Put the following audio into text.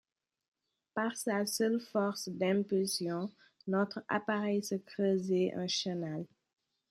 Par sa seule force d’impulsion, notre appareil se creusait un chenal.